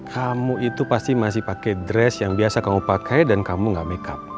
kamu itu pasti masih pakai dress yang biasa kamu pakai dan kamu gak makeup